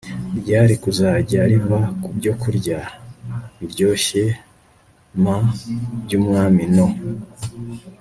ryari kuzajya riva ku byokurya biryoshye m by umwami no